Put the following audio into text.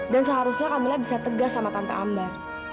dan seharusnya kamila bisa tegas sama tante ambar